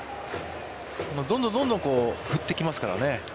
どんどん振ってきますからね。